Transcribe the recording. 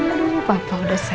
aduh papa udah sehat